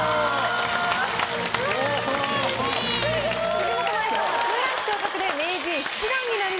辻元舞さんは２ランク昇格で名人７段になりました。